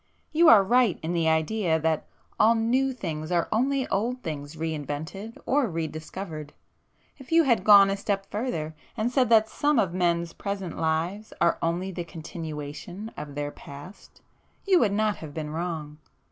You are right in the idea that all 'new' things are only old things re invented or re discovered,—if you had gone a step further [p 445] and said that some of men's present lives are only the continuation of their past, you would not have been wrong.